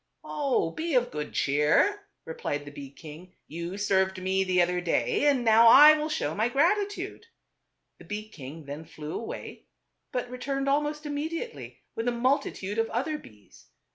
" Oh ! be of good cheer," replied the bee king. "You served me the other day, and now I will show my gratitude." The bee king then flew away; but returned, almost immediately, with a multi tude of other bees.